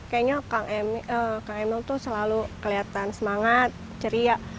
kayaknya kang emil tuh selalu kelihatan semangat ceria